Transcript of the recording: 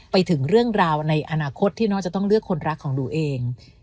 ไปถึงเรื่องราวในอนาคตที่น้องจะต้องเลือกคนรักของหนูเอง